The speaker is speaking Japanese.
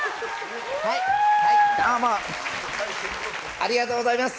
ありがとうございます。